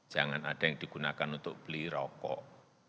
jangan ada yang digunakan untuk beli rokok